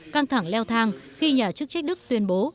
căng thẳng leo thang khi nhà chức trách đức tuyên bố